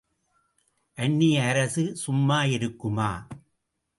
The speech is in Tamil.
அந்நிய அரசு சும்மா இருக்குமா?